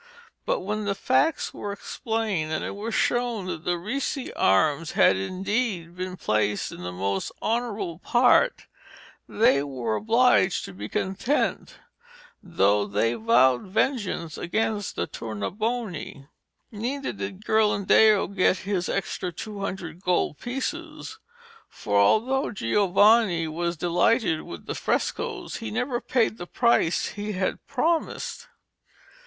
But when the facts were explained, and it was shown that the Ricci arms had indeed been placed in the most honourable part, they were obliged to be content, though they vowed vengeance against the Tournabuoni. Neither did Ghirlandaio get his extra two hundred gold pieces, for although Giovanni was delighted with the frescoes he never paid the price he had promised.